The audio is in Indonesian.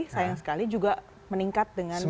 sayang sekali juga meningkat dengan